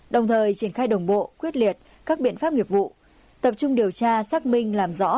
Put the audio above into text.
đồng thời triển khai đồng bộ quyết liệt các biện pháp nghiệp vụ tập trung điều tra xác minh làm rõ